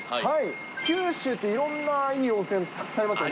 九州って、いろんないい温泉、たくさんありますよね。